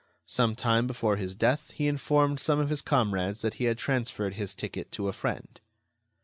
Some time before his death, he informed some of his comrades that he had transferred his ticket to a friend.